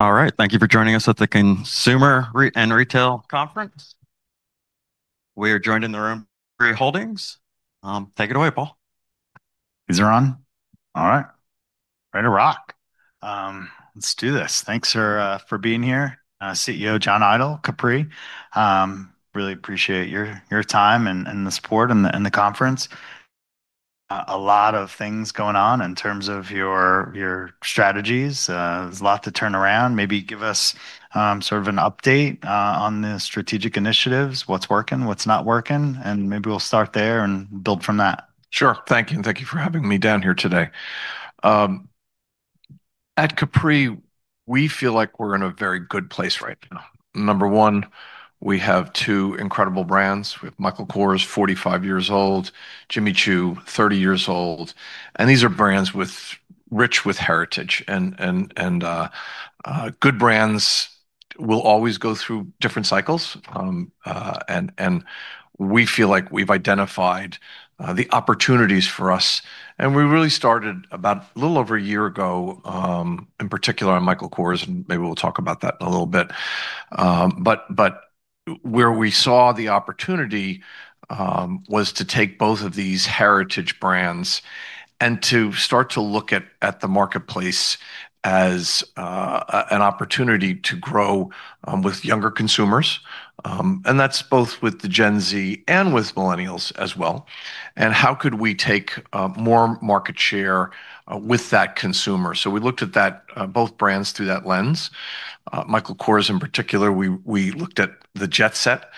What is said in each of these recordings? All right, thank you for joining us at the Consumer Retail Conference. We are joined in the room, Capri Holdings. Take it away, Paul. Is it on? All right. Ready to rock. Let's do this. Thanks for being here, CEO John Idol, Capri. Really appreciate your time and the support and the conference. A lot of things going on in terms of your strategies. There's a lot to turn around. Maybe give us sort of an update on the strategic initiatives, what's working, what's not working, and maybe we'll start there and build from that. Sure. Thank you, and thank you for having me down here today. At Capri, we feel like we're in a very good place right now. Number one, we have two incredible brands. We have Michael Kors, 45-years-old, Jimmy Choo, 30-years-old, and these are brands rich with heritage and good brands will always go through different cycles. We feel like we've identified the opportunities for us. We really started about a little over a year ago, in particular on Michael Kors, and maybe we'll talk about that in a little bit. Where we saw the opportunity was to take both of these heritage brands and to start to look at the marketplace as an opportunity to grow with younger consumers. That's both with the Gen Z and with millennials as well, and how could we take more market share with that consumer. We looked at that both brands through that lens. Michael Kors in particular, we looked at the Jet Set,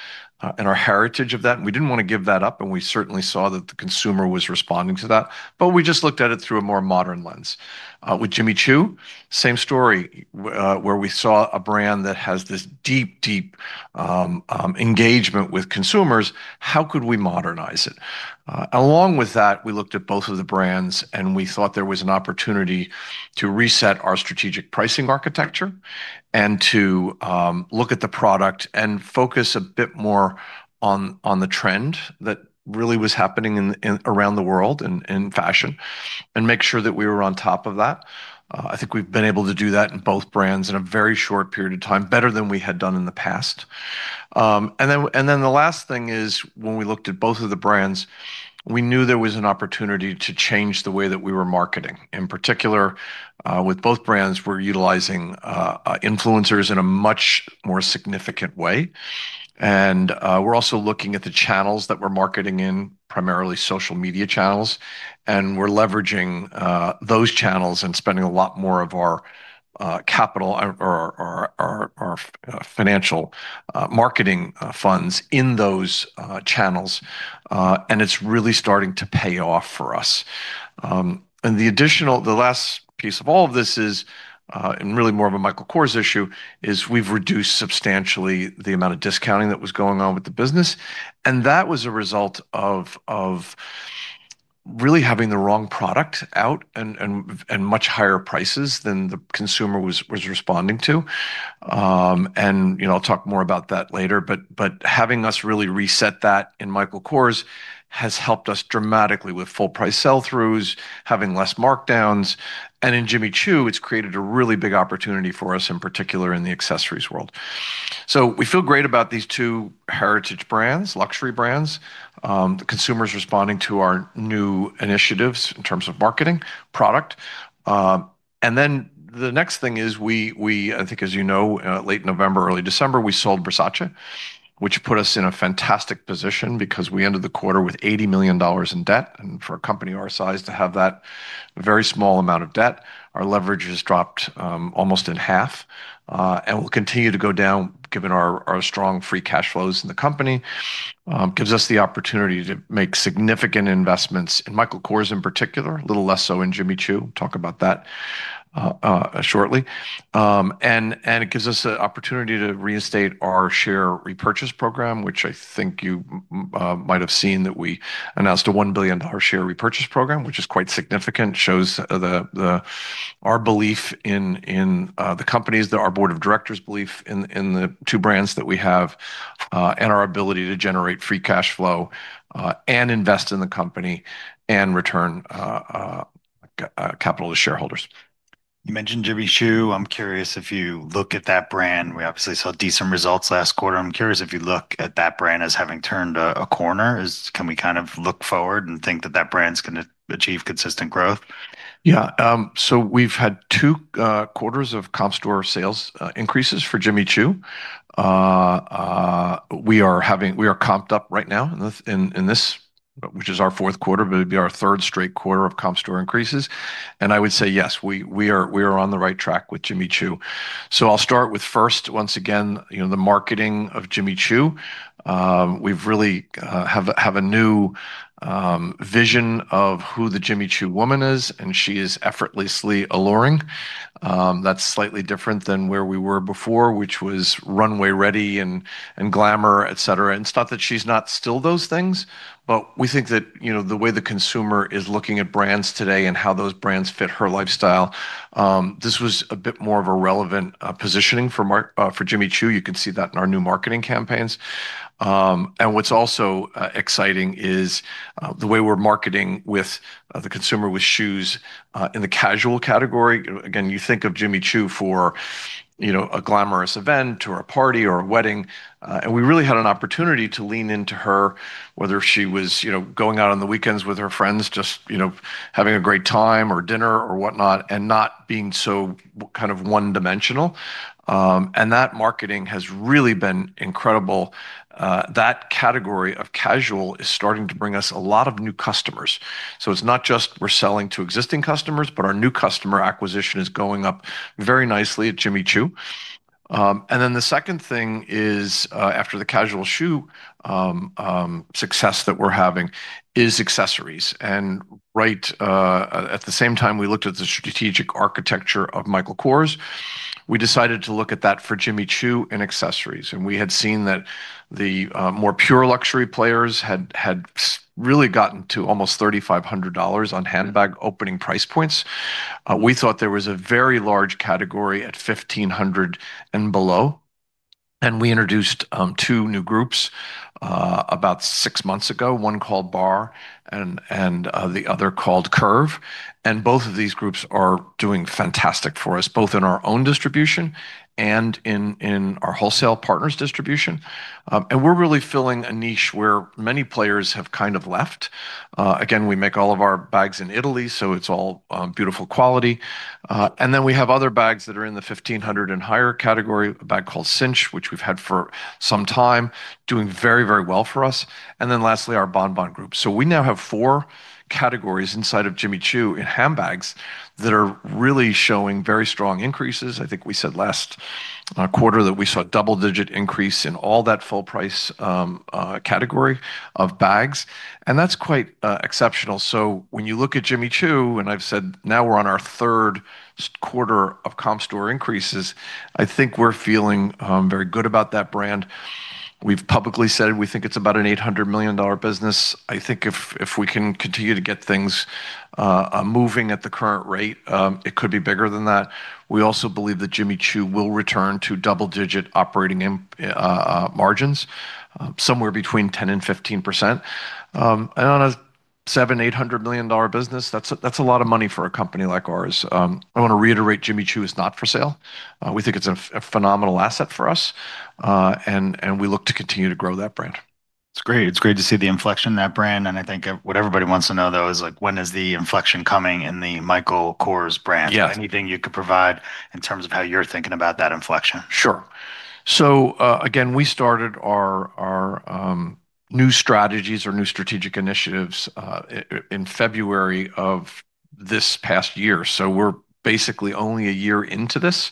and our heritage of that, and we didn't wanna give that up, and we certainly saw that the consumer was responding to that. We just looked at it through a more modern lens. With Jimmy Choo, same story where we saw a brand that has this deep, deep engagement with consumers, how could we modernize it? Along with that, we looked at both of the brands, and we thought there was an opportunity to reset our strategic pricing architecture and to look at the product and focus a bit more on the trend that really was happening around the world in fashion and make sure that we were on top of that. I think we've been able to do that in both brands in a very short period of time, better than we had done in the past. The last thing is, when we looked at both of the brands, we knew there was an opportunity to change the way that we were marketing. In particular, with both brands, we're utilizing influencers in a much more significant way. We're also looking at the channels that we're marketing in, primarily social media channels, and we're leveraging those channels and spending a lot more of our capital or financial marketing funds in those channels. It's really starting to pay off for us. The last piece of all of this is, and really more of a Michael Kors issue, is we've reduced substantially the amount of discounting that was going on with the business, and that was a result of really having the wrong product out and much higher prices than the consumer was responding to. You know, I'll talk more about that later. Having us really reset that in Michael Kors has helped us dramatically with full price sell-throughs, having less markdowns. In Jimmy Choo, it's created a really big opportunity for us, in particular in the accessories world. We feel great about these two heritage brands, luxury brands. The consumer's responding to our new initiatives in terms of marketing product. The next thing is I think as you know, late November, early December, we sold Versace, which put us in a fantastic position because we ended the quarter with $80 million in debt. For a company our size to have that very small amount of debt, our leverage has dropped almost in 1/2. Will continue to go down given our strong free cash flows in the company. Gives us the opportunity to make significant investments in Michael Kors in particular, a little less so in Jimmy Choo. Talk about that shortly. It gives us the opportunity to reinstate our share repurchase program, which I think you might have seen that we announced a $1 billion share repurchase program, which is quite significant. Shows our belief in the companies, our board of directors' belief in the two brands that we have, and our ability to generate free cash flow, and invest in the company and return capital to shareholders. You mentioned Jimmy Choo. I'm curious if you look at that brand, we obviously saw decent results last quarter. I'm curious if you look at that brand as having turned a corner. Can we kind of look forward and think that brand's gonna achieve consistent growth? Yeah. We've had two quarters of comp store sales increases for Jimmy Choo. We are comped up right now in this, which is our Q4, it'd be our third straight quarter of comp store increases. I would say yes, we are on the right track with Jimmy Choo. I'll start with first once again, you know, the marketing of Jimmy Choo. We've really have a new vision of who the Jimmy Choo woman is, and she is effortlessly alluring. That's slightly different than where we were before, which was runway ready and glamour, et cetera. It's not that she's not still those things, we think that, you know, the way the consumer is looking at brands today and how those brands fit her lifestyle, this was a bit more of a relevant positioning for Jimmy Choo. You can see that in our new marketing campaigns. What's also exciting is the way we're marketing with the consumer with shoes in the casual category. Again, you think of Jimmy Choo for, you know, a glamorous event or a party or a wedding. We really had an opportunity to lean into her, whether she was, you know, going out on the weekends with her friends, just, you know, having a great time or dinner or whatnot, and not being so kind of one-dimensional. That marketing has really been incredible. That category of casual is starting to bring us a lot of new customers. It's not just we're selling to existing customers, but our new customer acquisition is going up very nicely at Jimmy Choo. The second thing is after the casual shoe success that we're having is accessories. Right at the same time we looked at the strategic architecture of Michael Kors, we decided to look at that for Jimmy Choo and accessories. We had seen that the more pure luxury players had really gotten to almost $3,500 on handbag opening price points. We thought there was a very large category at $1,500 and below, and we introduced two new groups about six months ago, one called Bar and the other called Curve. Both of these groups are doing fantastic for us, both in our own distribution and in our wholesale partners distribution. We're really filling a niche where many players have kind of left. Again, we make all of our bags in Italy, so it's all beautiful quality. Then we have other bags that are in the 1,500 and higher category, a bag called Cinch, which we've had for some time, doing very, very well for us. Then lastly, our Bon Bon group. We now have four categories inside of Jimmy Choo in handbags that are really showing very strong increases. I think we said last quarter that we saw double-digit increase in all that full price category of bags. That's quite exceptional. When you look at Jimmy Choo, and I've said now we're on our Q3 of comp store increases, I think we're feeling very good about that brand. We've publicly said we think it's about an $800 million dollar business. I think if we can continue to get things moving at the current rate, it could be bigger than that. We also believe that Jimmy Choo will return to double digit operating margins, somewhere between 10% and 15%. On a $700 million-$800 million dollar business, that's a lot of money for a company like ours. I wanna reiterate Jimmy Choo is not for sale. We think it's a phenomenal asset for us, and we look to continue to grow that brand. It's great. It's great to see the inflection in that brand. I think what everybody wants to know, though, is like, when is the inflection coming in the Michael Kors brand? Yeah. Anything you could provide in terms of how you're thinking about that inflection? Sure. Again, we started our new strategies or new strategic initiatives in February of this past year. We're basically only a year into this.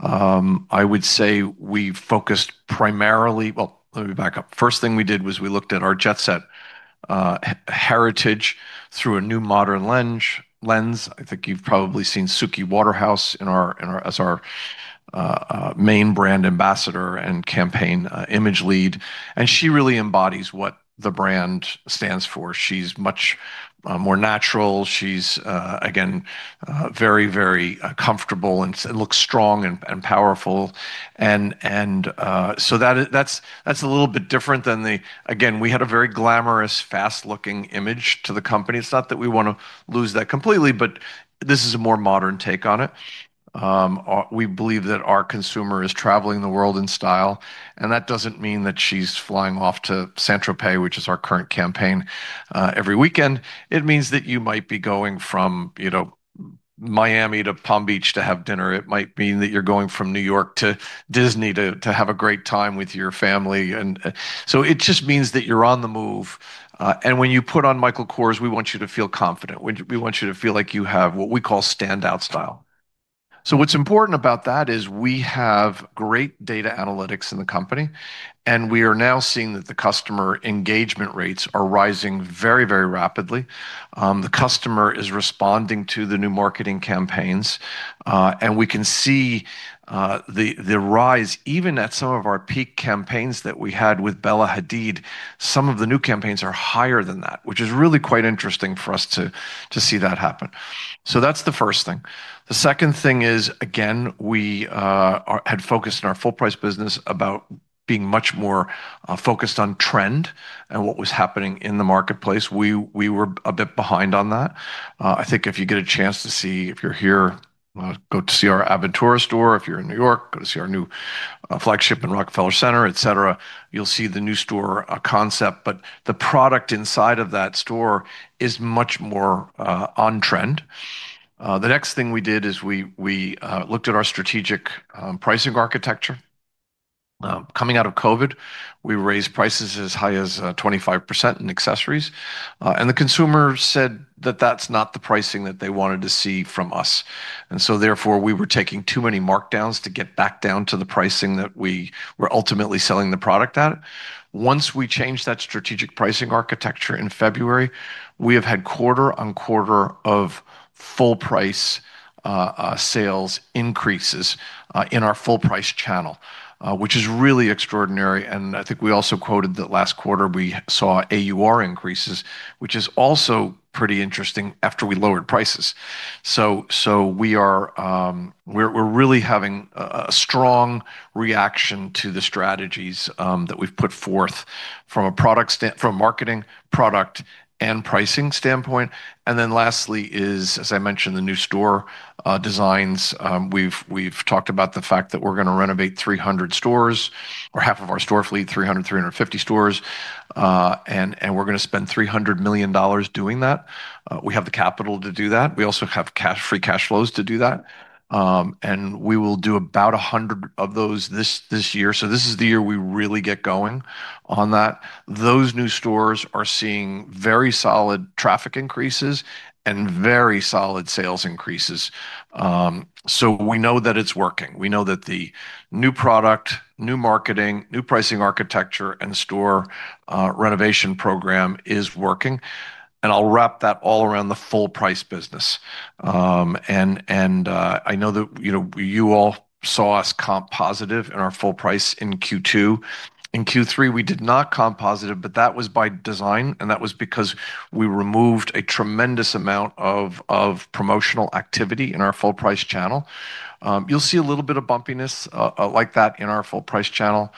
I would say we focused primarily... Well, let me back up. First thing we did was we looked at our Jet Set heritage through a new modern lens. I think you've probably seen Suki Waterhouse as our main brand ambassador and campaign image lead, and she really embodies what the brand stands for. She's much more natural. She's again very comfortable and looks strong and powerful, and that's a little bit different than the... Again, we had a very glamorous, fast looking image to the company. It's not that we wanna lose that completely, but this is a more modern take on it. We believe that our consumer is traveling the world in style, that doesn't mean that she's flying off to Saint-Tropez, which is our current campaign, every weekend. It means that you might be going from, you know, Miami to Palm Beach to have dinner. It might mean that you're going from New York to Disney to have a great time with your family. It just means that you're on the move. When you put on Michael Kors, we want you to feel confident. We want you to feel like you have what we call standout style. What's important about that is we have great data analytics in the company, and we are now seeing that the customer engagement rates are rising very, very rapidly. The customer is responding to the new marketing campaigns, and we can see the rise even at some of our peak campaigns that we had with Bella Hadid. Some of the new campaigns are higher than that, which is really quite interesting for us to see that happen. That's the first thing. The second thing is, again, we had focused on our full price business about being much more focused on trend and what was happening in the marketplace. We were a bit behind on that. I think if you get a chance to see, if you're here, go to see our Aventura store. If you're in New York, go to see our new flagship in Rockefeller Center, et cetera. You'll see the new store concept, but the product inside of that store is much more on trend. The next thing we did is we looked at our strategic pricing architecture. Coming out of COVID, we raised prices as high as 25% in accessories. The consumer said that that's not the pricing that they wanted to see from us. Therefore, we were taking too many markdowns to get back down to the pricing that we were ultimately selling the product at. Once we changed that strategic pricing architecture in February, we have had quarter on quarter of full price sales increases in our full price channel, which is really extraordinary. I think we also quoted that last quarter we saw AUR increases, which is also pretty interesting after we lowered prices. We're really having a strong reaction to the strategies that we've put forth from marketing, product and pricing standpoint. Lastly is, as I mentioned, the new store designs. We've talked about the fact that we're gonna renovate 300 stores or 1/2 of our store fleet, 350 stores. And we're gonna spend $300 million doing that. We have the capital to do that. We also have cash, free cash flows to do that. We will do about 100 of those this year. This is the year we really get going on that. Those new stores are seeing very solid traffic increases and very solid sales increases. We know that it's working. We know that the new product, new marketing, new pricing architecture and store renovation program is working. I'll wrap that all around the full price business. I know that, you know, you all saw us comp positive in our full price in Q2. In Q3, we did not comp positive, that was by design, and that was because we removed a tremendous amount of promotional activity in our full price channel. You'll see a little bit of bumpiness like that in our full price channel.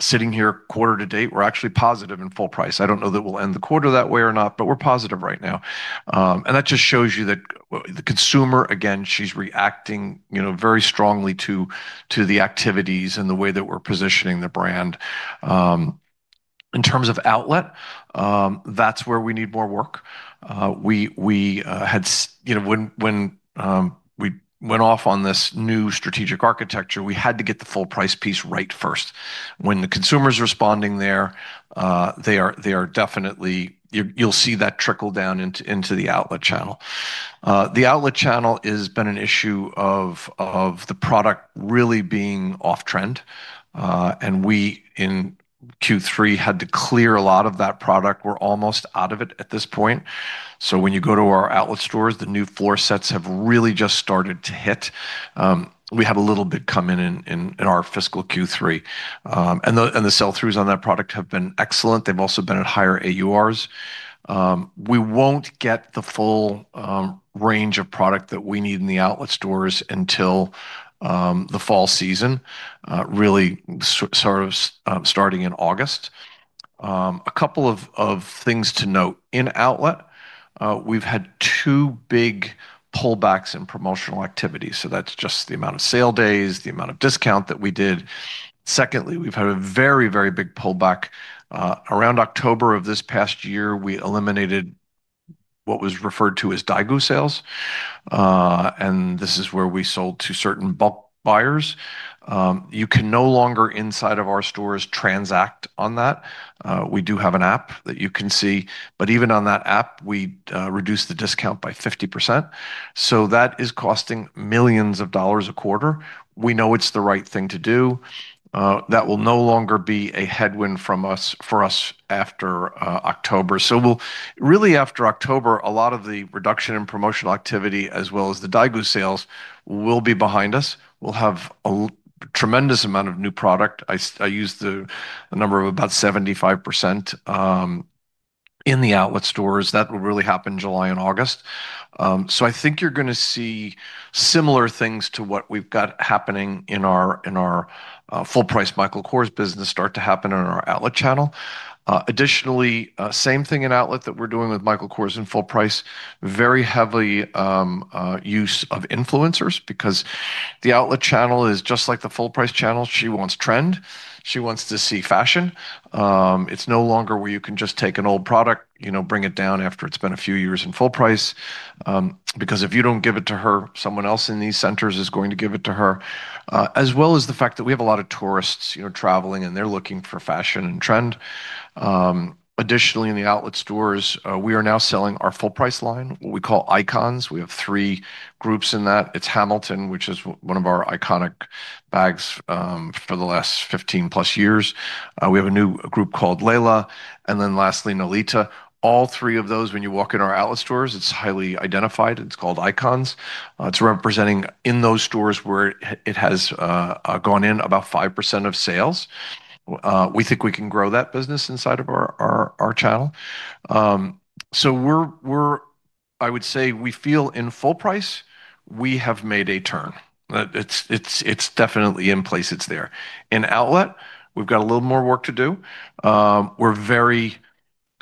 Sitting here quarter to date, we're actually positive in full price. I don't know that we'll end the quarter that way or not, we're positive right now. That just shows you that the consumer, again, she's reacting, you know, very strongly to the activities and the way that we're positioning the brand. In terms of outlet, that's where we need more work. We had you know, when we went off on this new strategic architecture, we had to get the full price piece right first. When the consumer's responding there, they are definitely. You'll see that trickle down into the outlet channel. The outlet channel has been an issue of the product really being off trend. We in Q3 had to clear a lot of that product. We're almost out of it at this point. When you go to our outlet stores, the new floor sets have really just started to hit. We have a little bit come in our fiscal Q3. The sell-throughs on that product have been excellent. They've also been at higher AURs. We won't get the full range of product that we need in the outlet stores until the fall season, really sort of starting in August. A couple of things to note. In outlet, we've had two big pullbacks in promotional activity, so that's just the amount of sale days, the amount of discount that we did. Secondly, we've had a very big pullback. Around October of this past year, we eliminated what was referred to as Daigou sales, and this is where we sold to certain bulk buyers. You can no longer inside of our stores transact on that. We do have an app that you can see, but even on that app, we reduce the discount by 50%. That is costing millions of dollars a quarter. We know it's the right thing to do. That will no longer be a headwind for us after October. Really, after October, a lot of the reduction in promotional activity as well as the Daigou sales will be behind us. We'll have a tremendous amount of new product. I use the number of about 75% in the outlet stores. That will really happen July and August. I think you're gonna see similar things to what we've got happening in our full price Michael Kors business start to happen in our outlet channel. Additionally, same thing in outlet that we're doing with Michael Kors in full price, very heavily, use of influencers because the outlet channel is just like the full price channel. She wants trend. She wants to see fashion. It's no longer where you can just take an old product, you know, bring it down after it's been a few years in full price, because if you don't give it to her, someone else in these centers is going to give it to her. As well as the fact that we have a lot of tourists, you know, traveling, and they're looking for fashion and trend. Additionally, in the outlet stores, we are now selling our full price line, what we call icons. We have three groups in that. It's Hamilton, which is one of our iconic bags, for the last 15+ years. We have a new group called Leila, and then lastly, Nolita. All three of those, when you walk in our outlet stores, it's highly identified. It's called Icons. It's representing in those stores where it has gone in about 5% of sales. We think we can grow that business inside of our channel. I would say we feel in full price, we have made a turn. It's, it's definitely in place. It's there. In outlet, we've got a little more work to do. We're very--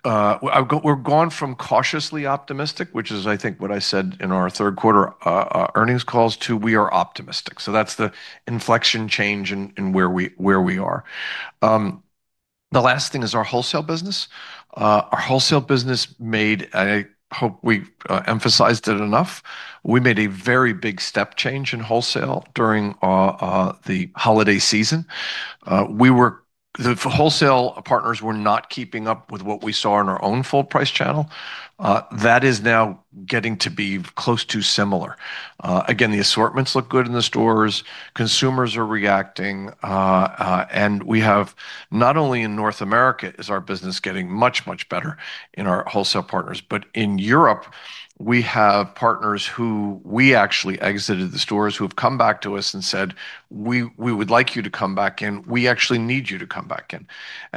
We've gone from cautiously optimistic, which is, I think, what I said in our Q3 earnings calls, to we are optimistic. That's the inflection change in where we are. The last thing is our wholesale business. Our wholesale business made, I hope we emphasized it enough, we made a very big step change in wholesale during the holiday season. The wholesale partners were not keeping up with what we saw in our own full price channel. That is now getting to be close to similar. Again, the assortments look good in the stores. Consumers are reacting. We have not only in North America is our business getting much, much better in our wholesale partners, but in Europe, we have partners who we actually exited the stores who have come back to us and said, "We would like you to come back in. We actually need you to come back in."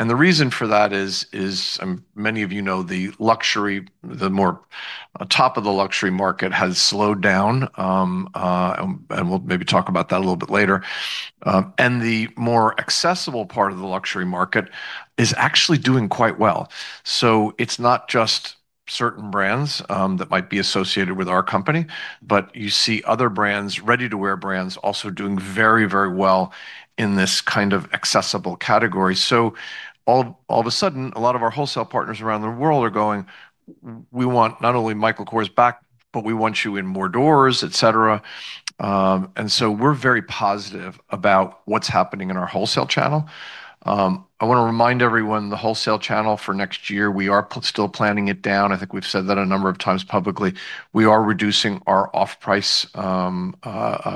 The reason for that is, many of you know the luxury, the more top of the luxury market has slowed down, and we'll maybe talk about that a little bit later. The more accessible part of the luxury market is actually doing quite well. It's not just certain brands that might be associated with our company, but you see other brands, ready-to-wear brands also doing very, very well in this kind of accessible category. All of a sudden, a lot of our wholesale partners around the world are going, "We want not only Michael Kors back, but we want you in more doors, et cetera." We're very positive about what's happening in our wholesale channel. I wanna remind everyone, the wholesale channel for next year, we are still planning it down. I think we've said that a number of times publicly. We are reducing our off-price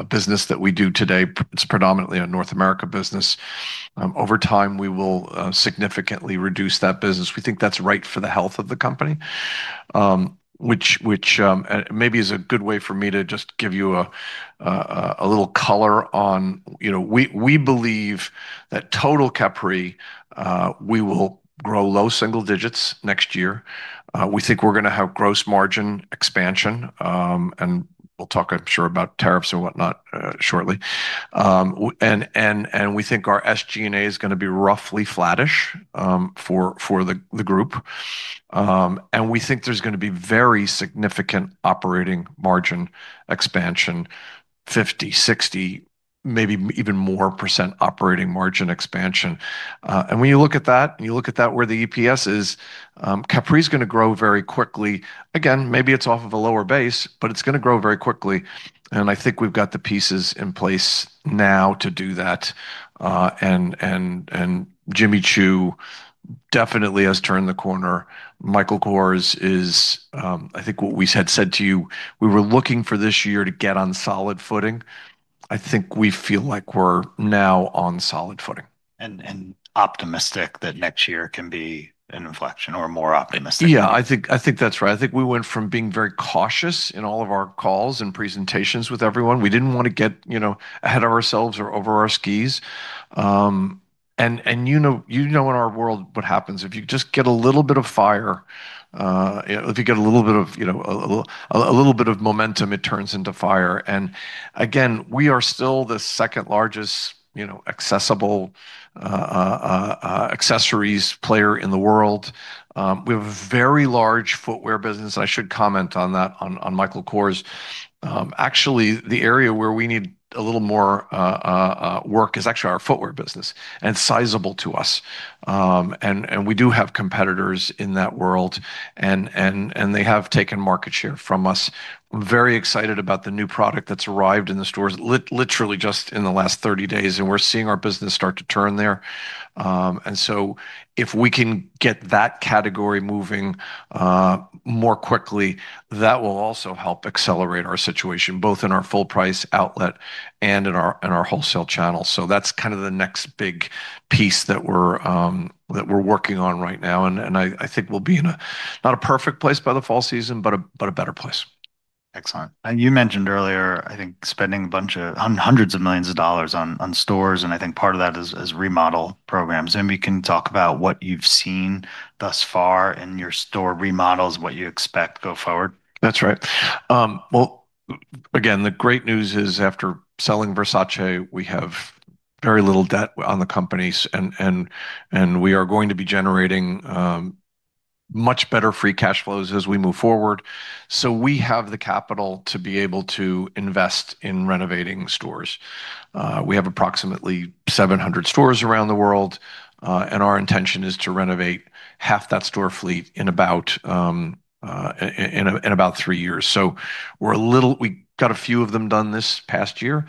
business that we do today. It's predominantly a North America business. Over time, we will significantly reduce that business. We think that's right for the health of the company, which, and maybe is a good way for me to just give you a little color on. You know, we believe that total Capri, we will grow low single digits next year. We think we're gonna have gross margin expansion, and we'll talk, I'm sure, about tariffs and whatnot shortly. We think our SG&A is gonna be roughly flattish for the group. We think there's gonna be very significant operating margin expansion, 50%, 60%, maybe even more percent operating margin expansion. When you look at that, and you look at that where the EPS is, Capri is gonna grow very quickly. Again, maybe it's off of a lower base, but it's gonna grow very quickly, and I think we've got the pieces in place now to do that. Jimmy Choo definitely has turned the corner. Michael Kors is, I think what we said to you, we were looking for this year to get on solid footing. I think we feel like we're now on solid footing. Optimistic that next year can be an inflection or more optimistic. Yeah. I think that's right. I think we went from being very cautious in all of our calls and presentations with everyone. We didn't wanna get, you know, ahead of ourselves or over our skis. You know, in our world what happens. If you just get a little bit of fire, if you get a little bit of, you know, a little bit of momentum, it turns into fire. Again, we are still the second largest, you know, accessible accessories player in the world. We have a very large footwear business. I should comment on that, on Michael Kors. Actually, the area where we need a little more work is actually our footwear business, and sizable to us. We do have competitors in that world and they have taken market share from us. Very excited about the new product that's arrived in the stores literally just in the last 30 days, and we're seeing our business start to turn there. If we can get that category moving more quickly, that will also help accelerate our situation, both in our full price outlet and in our, in our wholesale channel. That's kind of the next big piece that we're working on right now, I think we'll be in a not a perfect place by the fall season, but a better place. Excellent. You mentioned earlier, I think, spending a bunch of hundreds of millions of dollars on stores. I think part of that is remodel programs. Maybe you can talk about what you've seen thus far in your store remodels, what you expect go forward? That's right. Well, again, the great news is after selling Versace, we have very little debt on the companies and we are going to be generating much better free cash flows as we move forward, so we have the capital to be able to invest in renovating stores. We have approximately 700 stores around the world, and our intention is to renovate half that store fleet in about three years. We got a few of them done this past year,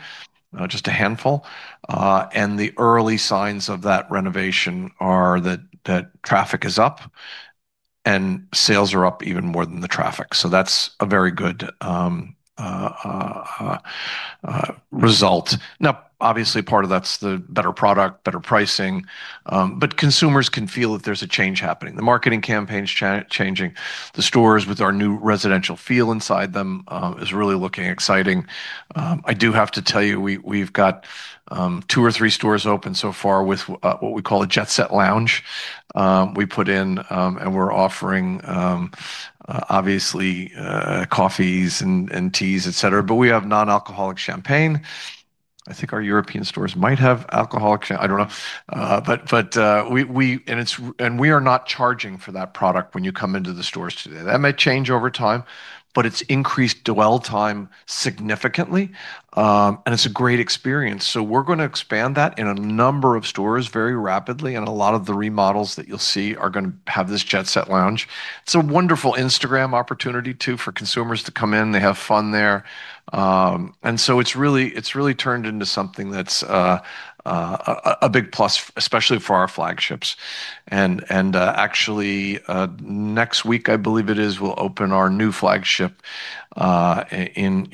just a handful, and the early signs of that renovation are that traffic is up and sales are up even more than the traffic. That's a very good result. Obviously, part of that's the better product, better pricing, but consumers can feel that there's a change happening. The marketing campaign's changing. The stores with our new residential feel inside them is really looking exciting. I do have to tell you, we've got two stores or three stores open so far with what we call a Jet Set Lounge. We put in, we're offering, obviously, coffees and teas, et cetera, but we have non-alcoholic champagne. I think our European stores might have alcoholic I don't know. We are not charging for that product when you come into the stores today. That may change over time, but it's increased dwell time significantly, and it's a great experience. We're gonna expand that in a number of stores very rapidly, a lot of the remodels that you'll see are gonna have this Jet Set Lounge. It's a wonderful Instagram opportunity too for consumers to come in. They have fun there. It's really turned into something that's a big plus, especially for our flagships. Actually, next week, I believe it is, we'll open our new flagship in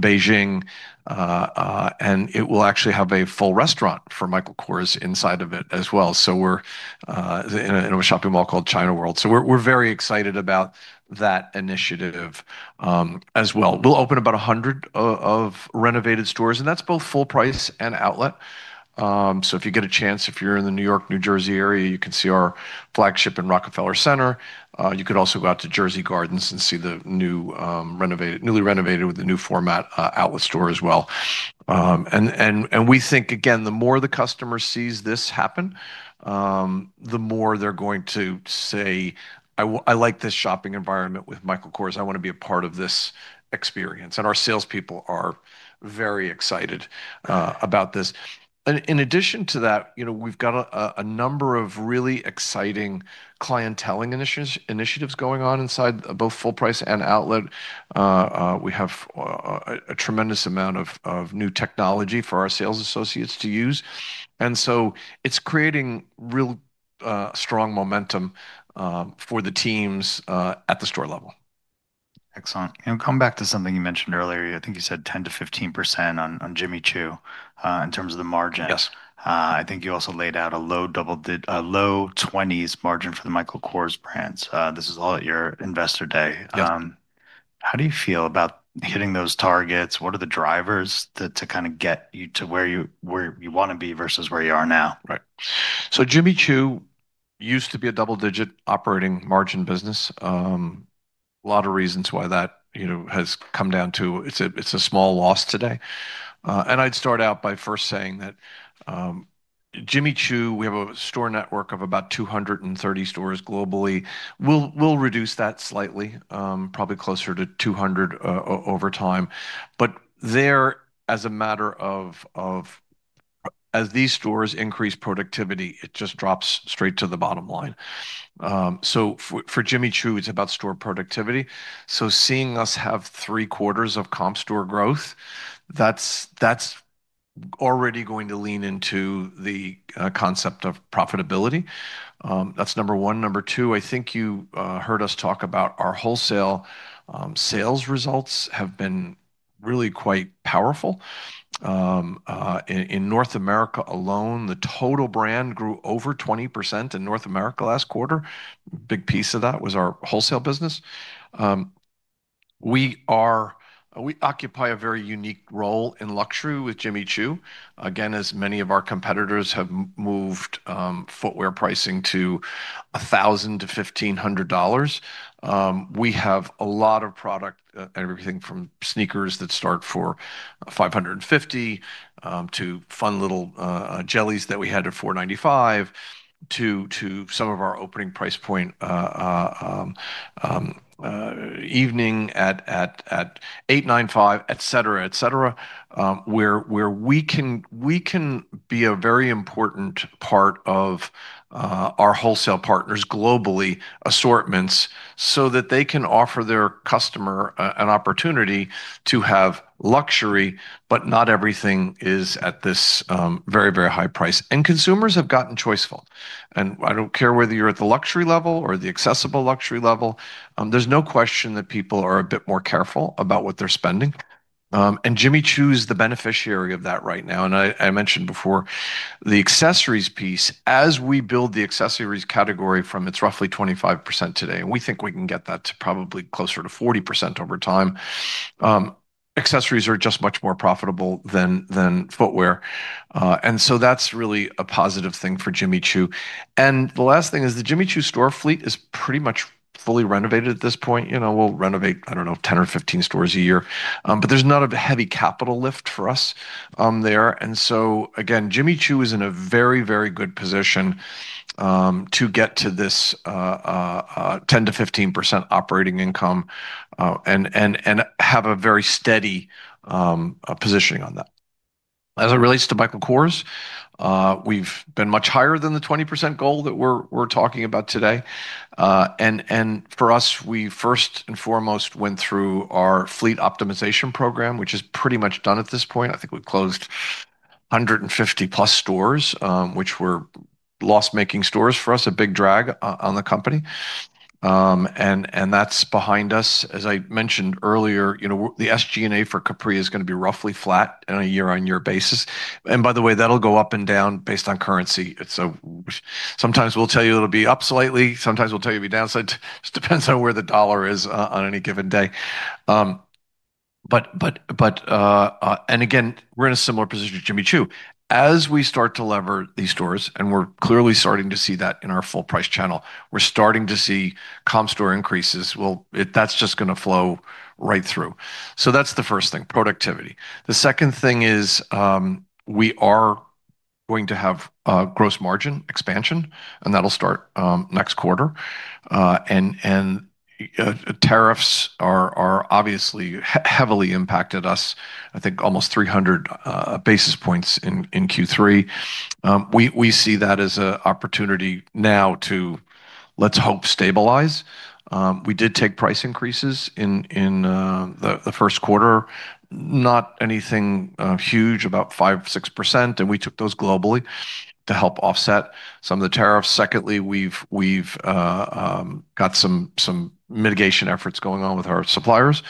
Beijing, and it will actually have a full restaurant for Michael Kors inside of it as well. We're in a shopping mall called China World. We're very excited about that initiative as well. We'll open about 100 of renovated stores, and that's both full price and outlet. If you get a chance, if you're in the New York, New Jersey area, you can see our flagship in Rockefeller Center. You could also go out to Jersey Gardens and see the newly renovated with the new format outlet store as well. We think, again, the more the customer sees this happen, the more they're going to say, "I like this shopping environment with Michael Kors. I wanna be a part of this experience." Our salespeople are very excited about this. In addition to that, you know, we've got a number of really exciting clienteling initiatives going on inside both full price and outlet. We have a tremendous amount of new technology for our sales associates to use. It's creating real strong momentum for the teams at the store level. Excellent. Coming back to something you mentioned earlier, I think you said 10%-15% on Jimmy Choo in terms of the margin. Yes. I think you also laid out a low twenties margin for the Michael Kors brands. This is all at your investor day. Yep. How do you feel about hitting those targets? What are the drivers to kinda get you to where you wanna be versus where you are now? Jimmy Choo used to be a double-digit operating margin business. A lot of reasons why that, you know, has come down to, it's a small loss today. I'd start out by first saying that Jimmy Choo, we have a store network of about 230 stores globally. We'll reduce that slightly, probably closer to 200 stores over time. There, as a matter of as these stores increase productivity, it just drops straight to the bottom line. For Jimmy Choo, it's about store productivity. Seeing us have three-quarters of comp store growth, that's already going to lean into the concept of profitability. That's number one. Number two, I think you heard us talk about our wholesale. Sales results have been really quite powerful. In North America alone, the total brand grew over 20% in North America last quarter. Big piece of that was our wholesale business. We occupy a very unique role in luxury with Jimmy Choo. As many of our competitors have moved, footwear pricing to $1,000-$1,500, we have a lot of product, everything from sneakers that start for $550, to fun little jellies that we had at $495, to some of our opening price point evening at $895, et cetera, et cetera, where we can be a very important part of our wholesale partners globally assortments so that they can offer their customer an opportunity to have luxury, but not everything is at this very high price. Consumers have gotten choiceful. I don't care whether you're at the luxury level or the accessible luxury level, there's no question that people are a bit more careful about what they're spending. Jimmy Choo is the beneficiary of that right now. I mentioned before, the accessories piece, as we build the accessories category from it's roughly 25% today, and we think we can get that to probably closer to 40% over time, accessories are just much more profitable than footwear. That's really a positive thing for Jimmy Choo. The last thing is the Jimmy Choo store fleet is pretty much fully renovated at this point. You know, we'll renovate, I don't know, 10 stores or 15 stores a year. There's not a heavy capital lift for us there. Again, Jimmy Choo is in a very good position to get to this 10%-15% operating income and have a very steady positioning on that. As it relates to Michael Kors, we've been much higher than the 20% goal that we're talking about today. For us, we first and foremost went through our fleet optimization program, which is pretty much done at this point. I think we've closed 150+ stores, which were loss-making stores for us, a big drag on the company. That's behind us. As I mentioned earlier, you know, the SG&A for Capri is gonna be roughly flat on a year-on-year basis. By the way, that'll go up and down based on currency. Sometimes we'll tell you it'll be up slightly, sometimes we'll tell you it'll be down, it just depends on where the dollar is on any given day. But again, we're in a similar position to Jimmy Choo. As we start to lever these stores, and we're clearly starting to see that in our full price channel, we're starting to see comp store increases. That's just gonna flow right through. That's the first thing, productivity. The second thing is, we are going to have gross margin expansion, and that'll start next quarter. Tariffs are obviously heavily impacted us, I think almost 300 basis points in Q3. We see that as a opportunity now to, let's hope, stabilize. We did take price increases in the Q1. Not anything huge, about 5%-6%, and we took those globally to help offset some of the tariffs. Secondly, we've got some mitigation efforts going on with our suppliers.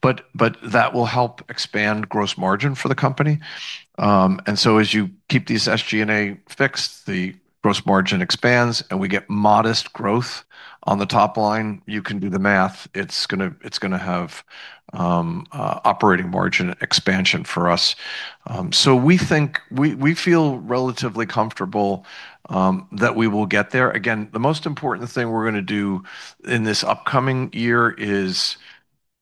But that will help expand gross margin for the company. As you keep these SG&A fixed, the gross margin expands, and we get modest growth on the top line. You can do the math. It's gonna have operating margin expansion for us. We feel relatively comfortable that we will get there. Again, the most important thing we're gonna do in this upcoming year is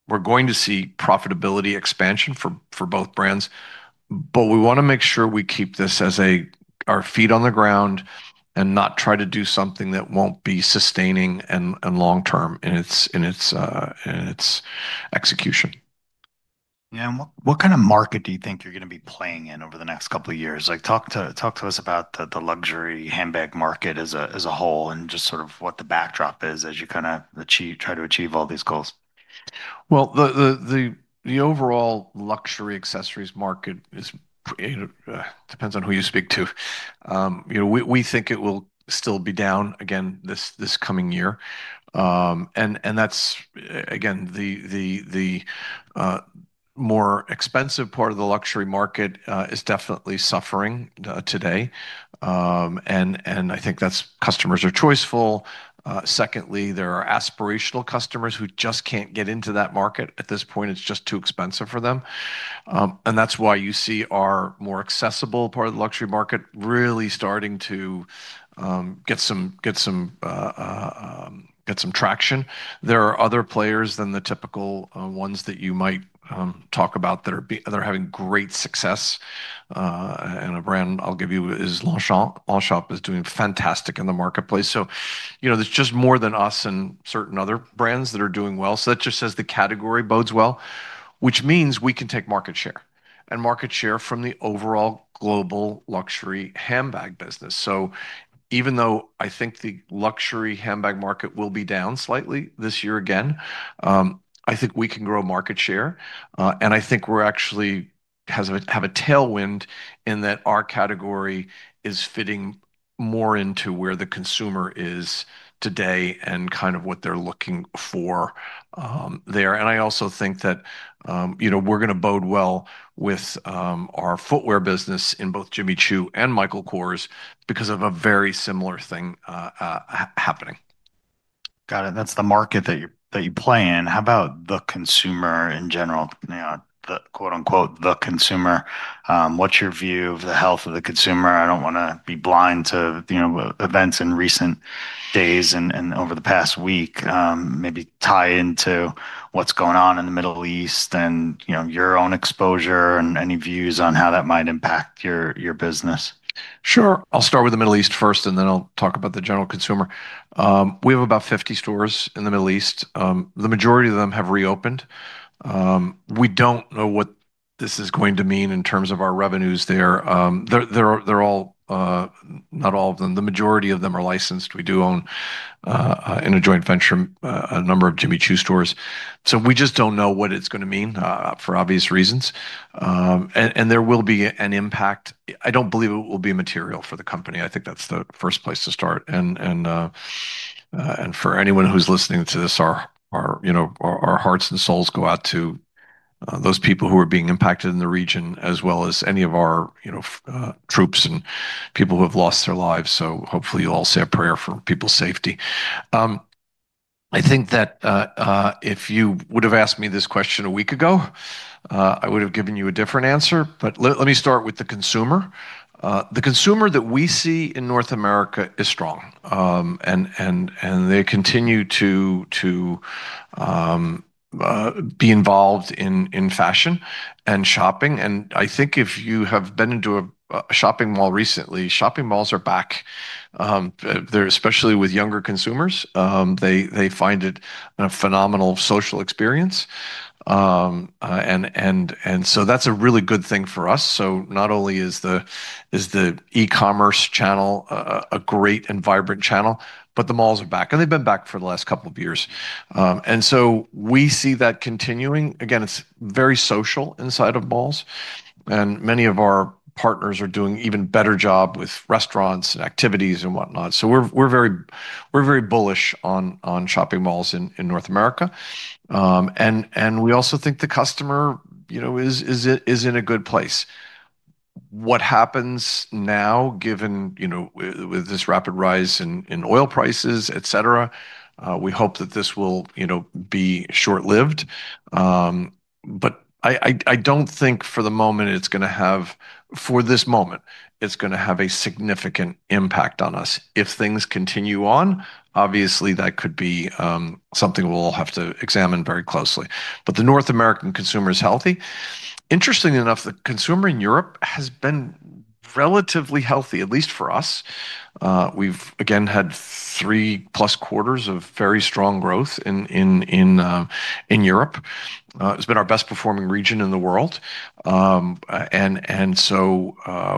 we're going to see profitability expansion for both brands. we wanna make sure we keep this as a, our feet on the ground and not try to do something that won't be sustaining and long term in its, in its, in its execution. Yeah. What kind of market do you think you're gonna be playing in over the next couple of years? Like, talk to us about the luxury handbag market as a whole and just sort of what the backdrop is as you try to achieve all these goals. Well, the overall luxury accessories market is, you know, depends on who you speak to. You know, we think it will still be down again this coming year. That's again, the more expensive part of the luxury market is definitely suffering today. I think that's customers are choiceful. Secondly, there are aspirational customers who just can't get into that market. At this point, it's just too expensive for them. That's why you see our more accessible part of the luxury market really starting to get some traction. There are other players than the typical ones that you might talk about that are having great success. A brand I'll give you is Longchamp. Longchamp is doing fantastic in the marketplace. You know, there's just more than us and certain other brands that are doing well. That just says the category bodes well, which means we can take market share and market share from the overall global luxury handbag business. Even though I think the luxury handbag market will be down slightly this year again, I think we can grow market share. I think we're actually have a tailwind in that our category is fitting more into where the consumer is today and kind of what they're looking for, there. I also think that, you know, we're gonna bode well with our footwear business in both Jimmy Choo and Michael Kors because of a very similar thing happening. Got it. That's the market that you're, that you play in. How about the consumer in general? You know, the, quote-unquote, the consumer. What's your view of the health of the consumer? I don't wanna be blind to, you know, events in recent days and over the past week. Maybe tie into what's going on in the Middle East and, you know, your own exposure and any views on how that might impact your business. Sure. I'll start with the Middle East first, and then I'll talk about the general consumer. We have about 50 stores in the Middle East. The majority of them have reopened. We don't know what this is going to mean in terms of our revenues there. They're all, not all of them, the majority of them are licensed. We do own, in a joint venture, a number of Jimmy Choo stores. We just don't know what it's gonna mean for obvious reasons. There will be an impact. I don't believe it will be material for the company. I think that's the first place to start. For anyone who's listening to this, our, you know, our hearts and souls go out to those people who are being impacted in the region, as well as any of our, you know, troops and people who have lost their lives. Hopefully, you'll all say a prayer for people's safety. I think that if you would have asked me this question a week ago, I would have given you a different answer. Let me start with the consumer. The consumer that we see in North America is strong. They continue to be involved in fashion and shopping. I think if you have been into a shopping mall recently, shopping malls are back. They're especially with younger consumers. They, they find it a phenomenal social experience. That's a really good thing for us. Not only is the e-commerce channel a great and vibrant channel, but the malls are back. They've been back for the last couple of years. We see that continuing. Again, it's very social inside of malls, and many of our partners are doing even better job with restaurants and activities and whatnot. We're very bullish on shopping malls in North America. We also think the customer, you know, is in a good place. What happens now, given, you know, with this rapid rise in oil prices, et cetera, we hope that this will, you know, be short-lived. I don't think for the moment it's gonna have a significant impact on us. If things continue on, obviously, that could be something we'll have to examine very closely. The North American consumer is healthy. Interestingly enough, the consumer in Europe has been relatively healthy, at least for us. We've, again, had 3+ quarters of very strong growth in Europe. It's been our best performing region in the world.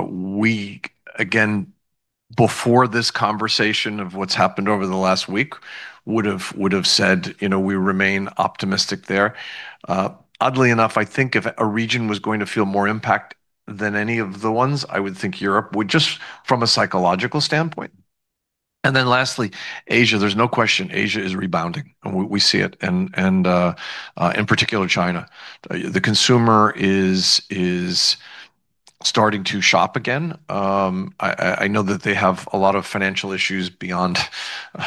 We, again, before this conversation of what's happened over the last week, would've said, you know, we remain optimistic there. Oddly enough, I think if a region was going to feel more impact than any of the ones, I would think Europe would, just from a psychological standpoint. Lastly, Asia. There's no question Asia is rebounding, and we see it, and in particular China. The consumer is starting to shop again. I know that they have a lot of financial issues beyond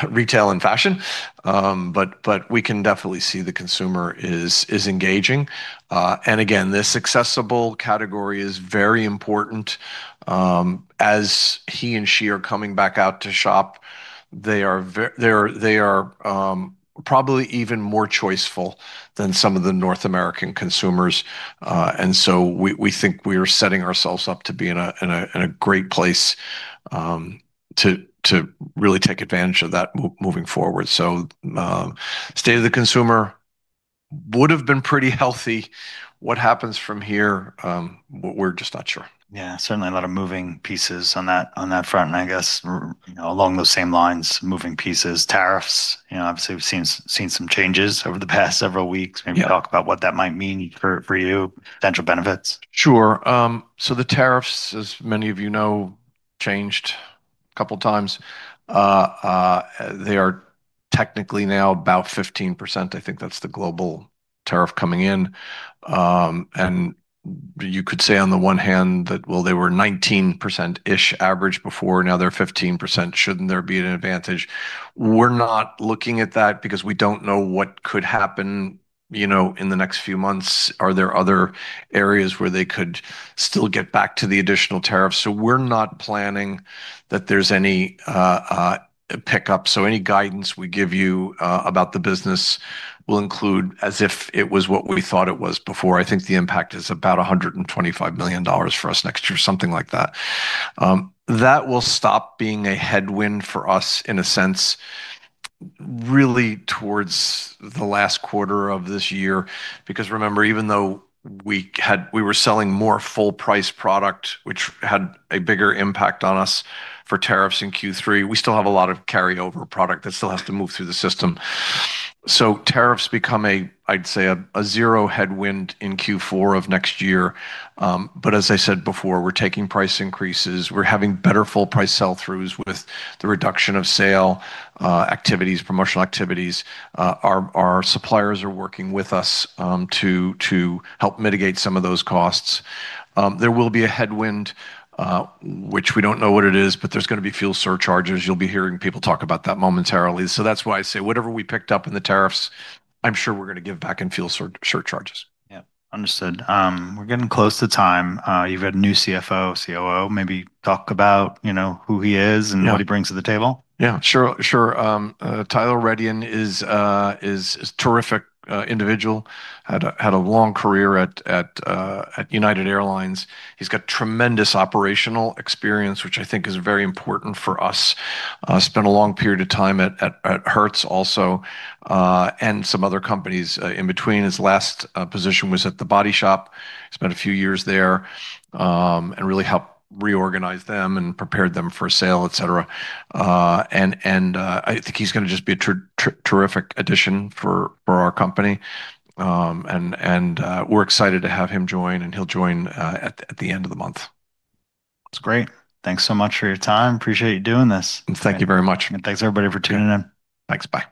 retail and fashion, but we can definitely see the consumer is engaging. Again, this accessible category is very important, as he and she are coming back out to shop, they are probably even more choiceful than some of the North American consumers. We think we are setting ourselves up to be in a great place to really take advantage of that moving forward. State of the consumer would've been pretty healthy. What happens from here, we're just not sure. Yeah. Certainly a lot of moving pieces on that, on that front. I guess, you know, along those same lines, moving pieces, tariffs. You know, obviously, we've seen some changes over the past several weeks. Yeah. Maybe talk about what that might mean for you, potential benefits. Sure. The tariffs, as many of you know, changed a couple times. They are technically now about 15%. I think that's the global tariff coming in. You could say on the one hand that, well, they were 19%-ish average before, now they're 15%, shouldn't there be an advantage? We're not looking at that because we don't know what could happen, you know, in the next few months. Are there other areas where they could still get back to the additional tariffs? We're not planning that there's any pickup. Any guidance we give you about the business will include as if it was what we thought it was before. I think the impact is about $125 million for us next year, something like that. That will stop being a headwind for us, in a sense, really towards the last quarter of this year, because remember, even though we were selling more full price product, which had a bigger impact on us for tariffs in Q3, we still have a lot of carry over product that still has to move through the system. Tariffs become I'd say a zero headwind in Q4 of next year. As I said before, we're taking price increases. We're having better full price sell-throughs with the reduction of sale activities, promotional activities. Our suppliers are working with us to help mitigate some of those costs. There will be a headwind, which we don't know what it is, but there's gonna be fuel surcharges. You'll be hearing people talk about that momentarily. That's why I say whatever we picked up in the tariffs, I'm sure we're gonna give back in fuel surcharges. Understood. We're getting close to time. You've had a new CFO, COO, maybe talk about, you know, who he is. Yeah... and what he brings to the table. Yeah. Sure, sure. Tyler Redden is terrific individual. Had a long career at United Airlines. He's got tremendous operational experience, which I think is very important for us. Spent a long period of time at Hertz also, and some other companies in between. His last position was at The Body Shop. Spent a few years there, and really helped reorganize them and prepared them for sale, et cetera. I think he's gonna just be a terrific addition for our company. We're excited to have him join, and he'll join at the end of the month. That's great. Thanks so much for your time. Appreciate you doing this. Thank you very much. Thanks, everybody, for tuning in. Thanks. Bye.